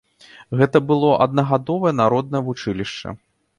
Гэта было аднагадовае народнае вучылішча.